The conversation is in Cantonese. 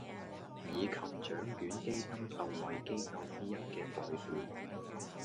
以及獎卷基金受惠機構之一嘅代表